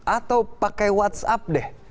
atau pakai whatsapp deh